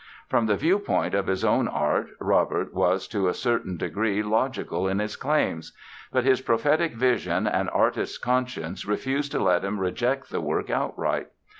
From the viewpoint of his own art Robert was to a certain degree logical in his claims. But his prophetic vision and artist's conscience refused to let him reject the work outright.